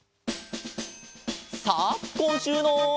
さあこんしゅうの。